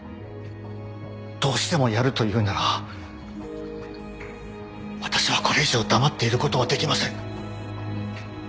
どうしてもやるというなら私はこれ以上黙っていることはできません。